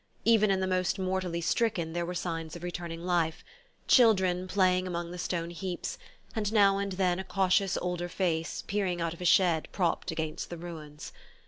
Even in the most mortally stricken there were signs of returning life: children playing among the stone heaps, and now and then a cautious older face peering out of a shed propped against the ruins.